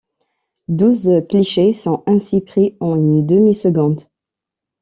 Douze clichés sont ainsi pris en une demi-seconde.